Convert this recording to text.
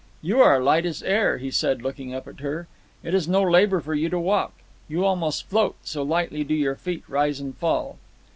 "You are light as air," he said, looking up at her. "It is no labour for you to walk. You almost float, so lightly do your feet rise and fall.